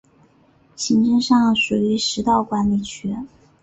行政上属于石岛管理区。